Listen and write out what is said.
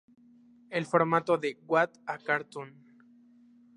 El formato de "What a Cartoon!